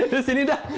dari sini dah